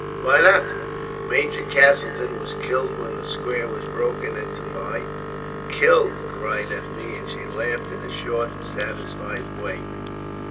"Why not?" "Major Castleton was killed when the square was broken at Tamai." "Killed?" cried Ethne, and she laughed in a short and satisfied way.